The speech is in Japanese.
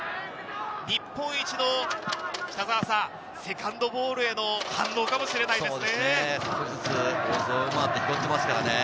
日本一のセカンドボールへの反応かもしれないですね。